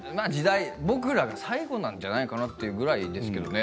僕らが最後なんじゃないかなというぐらいですけどね。